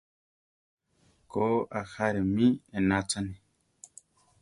Ko, ajáre mi éenachani.